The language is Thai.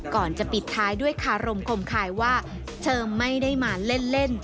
ก่อนจะปิดท้ายด้วยคารมคมคายว่าเธอไม่ได้มาเล่น